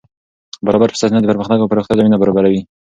برابر فرصتونه د پرمختګ او پراختیا زمینه برابروي.